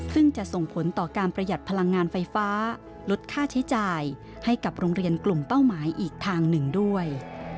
ซึ่งจะส่งผลต่อการประหยัดพลังงานไฟฟ้าลดค่าใช้จ่ายให้กับโรงเรียนกลุ่มเป้าหมายอีกทางหนึ่งด้วย